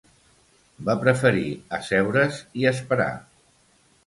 Va preferir asseure's i esperar.